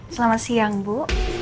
selamat siang bu